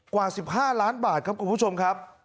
กว่า๑๕ล้านบาทครับคุณผู้ชมครับ